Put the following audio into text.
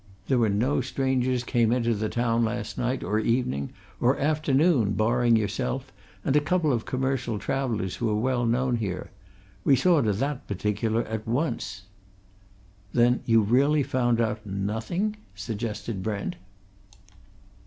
There were no strangers came into the town last night, or evening, or afternoon, barring yourself and a couple of commercial travellers who are well known here. We saw to that particular at once." "Then you've really found out nothing?" suggested Brent.